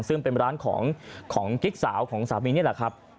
ซึ่งเป็นร้านของกิ๊กสาวของสามีนี่แหละครับ